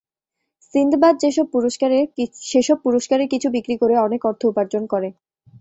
সিন্দাবাদ সেসব পুরস্কারের কিছু বিক্রি করে অনেক অর্থ উপার্জন করে।